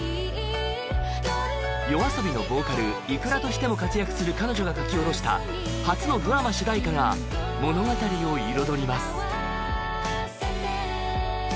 ＹＯＡＳＯＢＩのボーカルｉｋｕｒａとしても活躍する彼女が書き下ろした初のドラマ主題歌が物語を彩ります